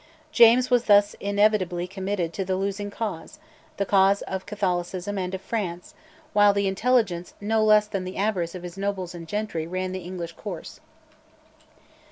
James was thus inevitably committed to the losing cause the cause of Catholicism and of France while the intelligence no less than the avarice of his nobles and gentry ran the English course.